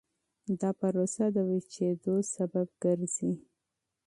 دا پروسه د وچېدو سبب ګرځي.